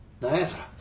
そら。